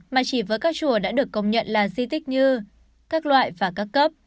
mà chỉ với các chùa đã được công nhận là di tích như các loại và các cấp